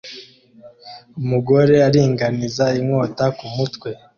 Umugore aringaniza inkota kumutwe